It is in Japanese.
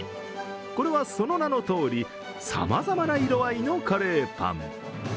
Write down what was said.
これはその名のとおり、様々な色合いのカレーパン。